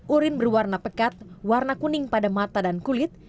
urin berwarna pekat warna kuning pada mata dan kulit